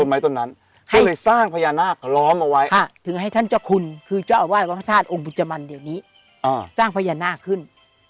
ก็เลยสร้างพญานาคล้อมเอาไว้ถึงให้ท่านเจ้าคุณคือเจ้าอาวาสวัดพระธาตุองค์บุจมันเดี๋ยวนี้สร้างพญานาคขึ้น